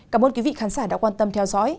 cảm ơn quý vị khán giả đã quan tâm theo dõi